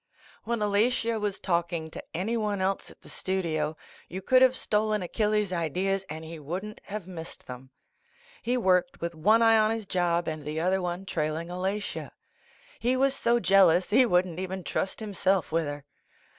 VV/ HEN Alatia was talking to anyone else at the studio, you could have stolen Achilles' ideas and he wouldn't have missed them. He worked with one eye on his job and the other one trailing Alatia. He was so jealous he wouldn't even trust himself with her.